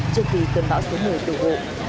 trước khi cơn bão số một mươi bị lụt